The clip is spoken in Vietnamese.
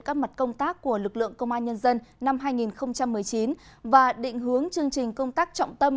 các mặt công tác của lực lượng công an nhân dân năm hai nghìn một mươi chín và định hướng chương trình công tác trọng tâm